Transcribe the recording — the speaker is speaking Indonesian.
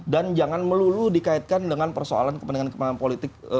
dan jangan melulu dikaitkan dengan persoalan kepentingan kepentingan politik